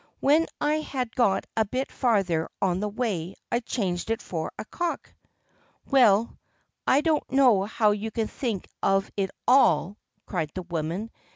"When I had got a bit farther on the way I changed it for a cock." "Well, I don't know how you can think of it all!" cried the woman.